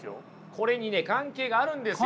これにね関係があるんですよ！